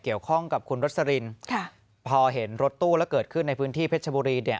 เกี่ยวข้องกับคุณรสลินค่ะพอเห็นรถตู้แล้วเกิดขึ้นในพื้นที่เพชรบุรีเนี่ย